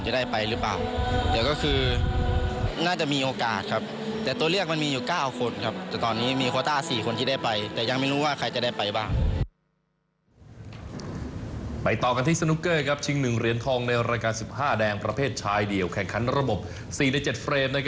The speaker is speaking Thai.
ชิง๑เหรียญทองในรายการ๑๕แดงประเภทชายเดี่ยวแข่งขันระบบ๔ใน๗เฟรม